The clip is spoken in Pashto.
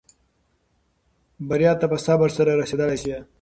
بریا ته په صبر سره رسېدلای شې.